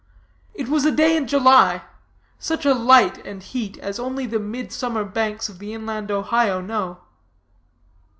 It was a day in July; such a light and heat as only the midsummer banks of the inland Ohio know.